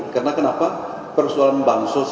karena kenapa persoalan bansos